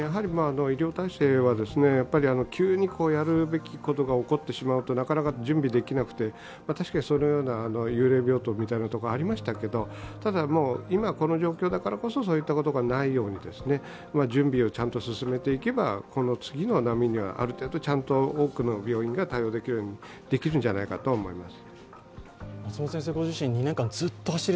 医療体制は急にやるべきことが起こってしまうとなかなか準備できなくて、確かにそのような幽霊病棟のようなところはありましたけれども、ただ今、この状況だからこそ、そういったことがないように準備をちゃんと進めていけばこの次の波にはある程度ちゃんと多くの病院が対応できるのではないかと思います。